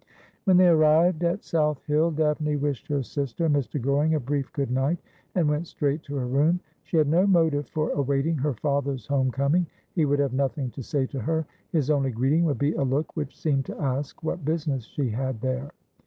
When they arrived at South Hill Daphne wished her sister and Mr. Goring a brief good night, and went straight to her room. She had no motive for awaiting her father's home coming. He would have nothing to say to her. His only greeting would be a look which seemed to ask what business she had there.